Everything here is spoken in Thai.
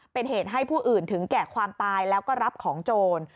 เป็นเหตุให้ผู้อื่นถึงแก่ความตายแล้วก็รับของโจร